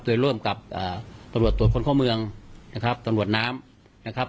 โดยร่วมกับตำรวจตรวจคนเข้าเมืองนะครับตำรวจน้ำนะครับ